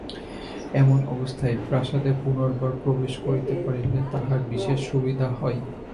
এমন অবস্থায় প্রাসাদে পুনর্বার প্রবেশ করিতে পারিলে তাঁহার বিশেষ সুবিধা হয়।